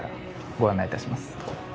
ご案内いたします。